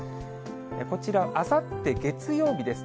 こちらあさって月曜日です。